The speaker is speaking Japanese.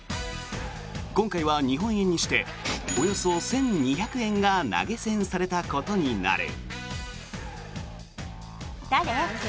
今回は日本円にしておよそ１２００円が投げ銭されたことになる。